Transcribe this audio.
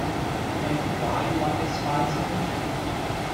And why do I despise him?